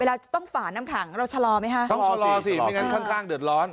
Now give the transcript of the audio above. เราจะต้องฝ่าน้ำขังเราชะลอไหมฮะต้องชะลอสิไม่งั้นข้างข้างเดือดร้อน